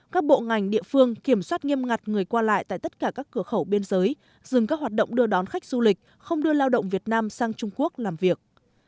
các bộ ngành địa phương kiểm soát nghiêm ngặt người qua lại tại tất cả các cửa khẩu biên giới dừng các hoạt động đưa đón khách du lịch không đưa lao động việt nam sang trung quốc làm việc